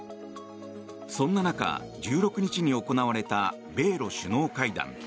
そんな中、１６日に行われた米ロ首脳会談。